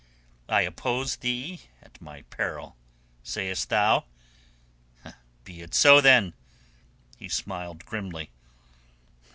I oppose thee at my peril sayest thou. Be it so, then." He smiled grimly.